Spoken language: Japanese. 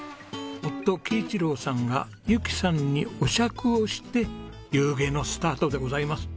夫紀一郎さんが由紀さんにお酌をして夕げのスタートでございます。